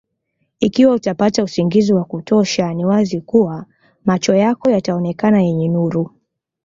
Ikiwa utapata usingizi wa kutosha ni wazi kuwa macho yako yataonekana yenye nuru